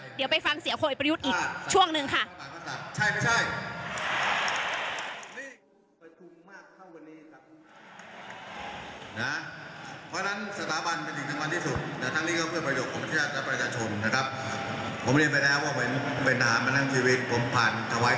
เดี๋ยวไปฟังเสียงพลเอกประยุทธ์อีกช่วงหนึ่งค่ะ